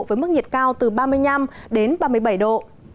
với mức nhiệt cao từ ba mươi năm đến ba mươi bảy độ